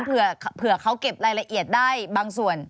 เผื่อเขาเก็บรายละเอียดได้บางส่วน